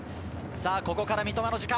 ここから三笘の時間。